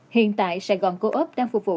hiện tại sài gòn co op đang phục vụ